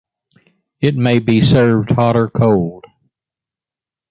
It may be served hot or cold.